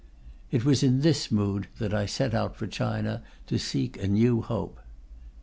It was in this mood that I set out for China to seek a new hope.